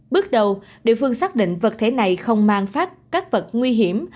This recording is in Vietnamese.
bước đầu địa phương xác định vật thể này không mang phát các vật nguy hiểm